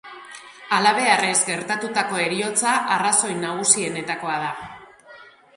Halabeharrez gertatutako heriotza arrazoi nagusienetakoa da.